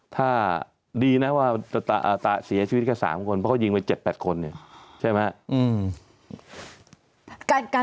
ถ้าดีนะว่าเสียชีวิตแค่๓คนเพราะเขายิงไป๗๘คนเนี่ยใช่ไหม